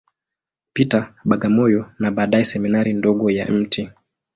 Peter, Bagamoyo, na baadaye Seminari ndogo ya Mt.